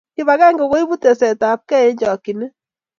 Kipakenge koipu tesetapkei eng chakchinet